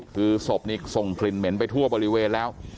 คือศพนี้ส่งกลิ่นเหม็นไปทั่วบริเวณแล้ว